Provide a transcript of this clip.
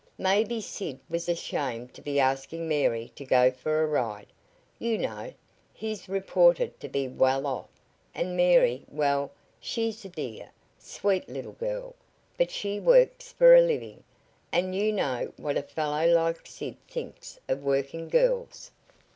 "Maybe Sid was ashamed to be seen asking Mary to go for a ride. You know, he's reported to be well off, and Mary well, she's a dear, sweet little girl, but she works for a living, and you know what a fellow like Sid thinks of working girls."